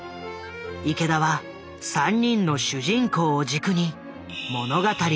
池田は３人の主人公を軸に物語を構想した。